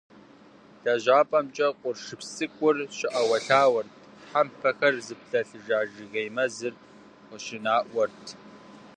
ЛъащӀэмкӀэ къуршыпс цӀыкӀур щыӀэуэлъауэрт, тхьэмпэхэр зыпылъэлъыжа жыгей мэзыр къыщынаӀуэрт.